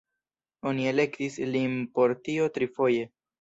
Oni elektis lin por tio trifoje.